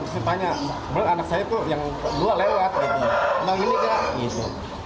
terus saya tanya bener anak saya itu yang kedua lewat emang ini nggak